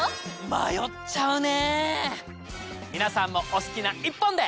迷っちゃうね！